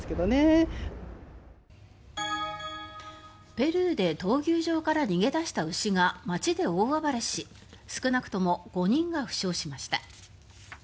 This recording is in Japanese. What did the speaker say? ペルーで、闘牛場から逃げ出した牛が街で大暴れし少なくとも５人が負傷しました。